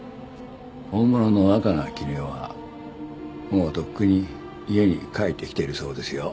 本物の若菜絹代はもうとっくに家に帰ってきているそうですよ。